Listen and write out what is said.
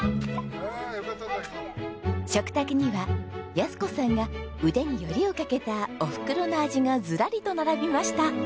食卓には安子さんが腕によりをかけたお袋の味がずらりと並びました。